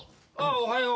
おはよう。